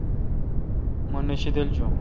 مہ نہ شیدل جوُن۔